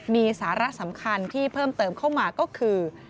มีสาระสำคัญที่เพิ่มเติมเข้ามาก็คือ